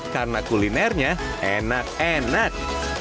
karena kulinernya enak enak